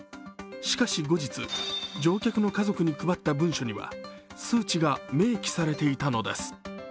しかし後日、乗客の家族に配った文書には数値が明記されていたのです。